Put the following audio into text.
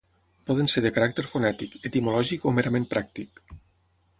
Poden ser de caràcter fonètic, etimològic o merament pràctic.